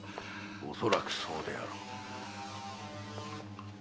恐らくそうであろう。